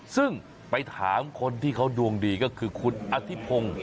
ซึ่งไปถามคนที่เขาดวงดีก็คือคุณอธิพงศ์